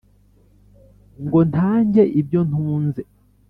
Ngo ntange ibyo ntunze.